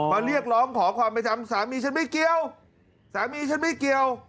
เรียกร้องขอความเป็นธรรมสามีฉันไม่เกี่ยวสามีฉันไม่เกี่ยว